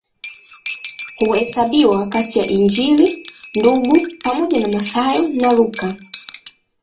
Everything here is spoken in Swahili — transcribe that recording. Huhesabiwa kati ya Injili Ndugu pamoja na Mathayo na Luka.